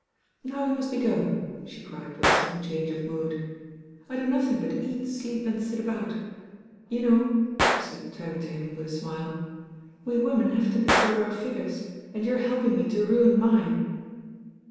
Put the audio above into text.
"Now we must be going," she cried with a sudden change of mood; "I do nothing but eat, sleep and sit about. You know," she said turning to him with a smile, "we women have to consider our figures, and you're helping me to ruin mine."